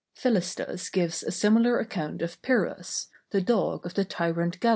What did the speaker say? Philistus gives a similar account of Pyrrhus, the dog of the tyrant Gelon.